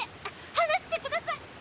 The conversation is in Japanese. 放してください！